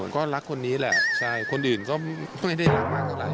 ก็รักคนนี้แหละใช่คนอื่นก็ไม่ได้รักมากเท่าไหร